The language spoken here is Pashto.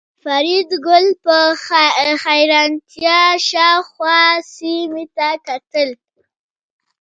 فریدګل په حیرانتیا شاوخوا سیمې ته کتل